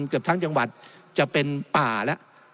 เกือบทั้งจังหวัดจะเป็นป่าแล้ว